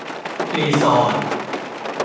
รีสอร์ท